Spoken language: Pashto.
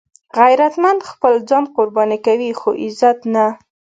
غیرتمند خپل ځان قرباني کوي خو عزت نه